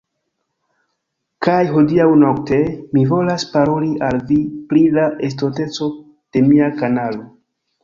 Kaj hodiaŭ-nokte mi volas paroli al vi pri la estonteco de mia kanalo